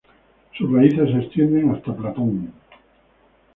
Sus raíces se extienden hasta Platón.